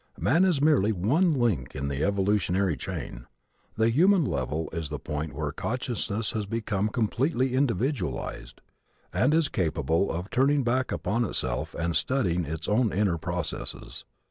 Man is merely one link in the evolutionary chain. The human level is the point where consciousness has become completely individualized and is capable of turning back upon itself and studying its own inner processes.